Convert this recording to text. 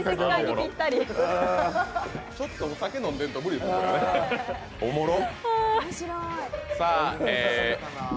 ちょっとお酒飲んでないと無理ですね、おもろ。